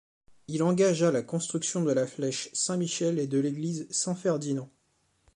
Il engagea la construction de la flèche Saint-Michel et de l'église Saint Ferdinand.